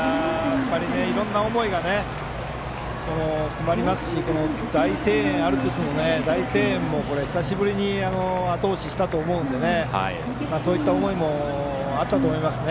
いろいろな思いが詰まりますしアルプスの大声援も久しぶりにあと押ししたと思うのでそういった思いもあったと思いますね。